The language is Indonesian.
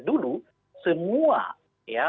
semua tindak pidana yang berkaitan dengan politik identitas